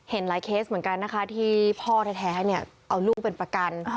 เห็นหลายเคสเหมือนกันนะคะที่พ่อแท้เนี่ยเอาลูกเป็นประกัน